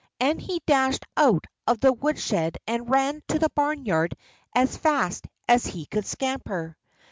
And he dashed out of the woodshed and ran to the barnyard as fast as he could scamper.